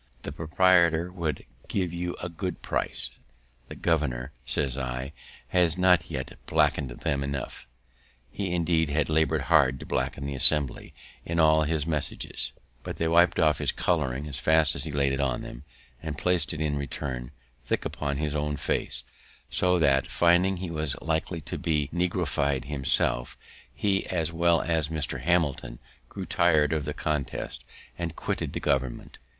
The proprietor would give you a good price." "The governor," says I, "has not yet blacked them enough." He, indeed, had laboured hard to blacken the Assembly in all his messages, but they wip'd off his colouring as fast as he laid it on, and plac'd it, in return, thick upon his own face; so that, finding he was likely to be negrofied himself, he, as well as Mr. Hamilton, grew tir'd of the contest, and quitted the government.